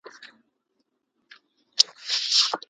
پیلوټ د انسان د ارادې نښه ده.